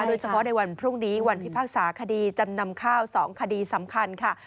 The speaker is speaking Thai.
โดยเฉพาะในวันพรุ่งนี้วันพิพากษาคดีจำนำข้าว๒คดีสำคัญค่ะ